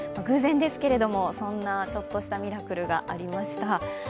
偶然ですけれども、そんなちょっとしたミラクルがありました。